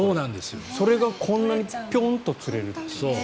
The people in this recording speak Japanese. それがこんなにピョンと釣れる。